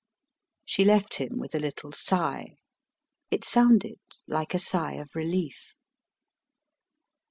She left him with a little sigh. It sounded like a sigh of relief.